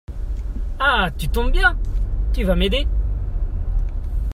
Ah, tu tombes bien! Tu vas m’aider.